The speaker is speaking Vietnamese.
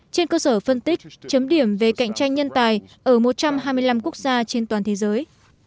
trên cơ sở phân tích chấm điểm về cạnh tranh nhân tài ở một trăm hai mươi năm quốc gia trên toàn thế giới